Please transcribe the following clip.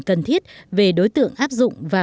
cần thiết về đối tượng áp dụng và